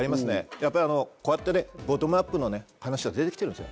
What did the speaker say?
やっぱりこうやってボトムアップの話は出て来てるんです。